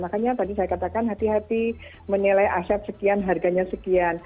makanya tadi saya katakan hati hati menilai aset sekian harganya sekian